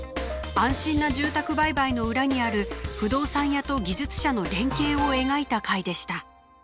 安心な住宅売買の裏にある不動産屋と技術者の連携を描いた回でした。